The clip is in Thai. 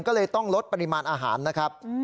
ก็เลยต้องลดปริมาณอาหารนะครับ